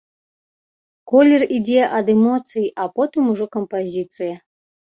Колер ідзе ад эмоцыі, а потым ужо кампазіцыя.